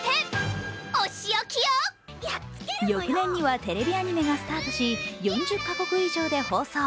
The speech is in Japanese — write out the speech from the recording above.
翌年にはテレビアニメがスタートし、４０か国以上で放送。